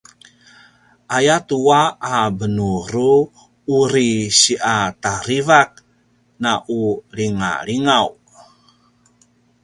ayatua a benuru uri si’a tarivak na u lingalingaw